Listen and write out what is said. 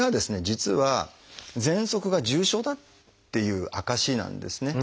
実はぜんそくが重症だっていう証しなんですね。